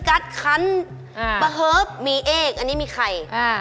อันเนี่ยมีไข่